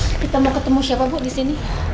kita mau ketemu siapa bu disini